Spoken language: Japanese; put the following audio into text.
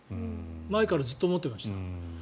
前からずっと思ってました。